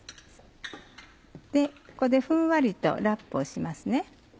ここでふんわりとラップをしますね。